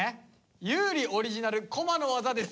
裕理オリジナルコマの技です。